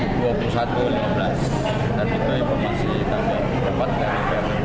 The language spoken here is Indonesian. dan itu informasi yang dapat kita dapatkan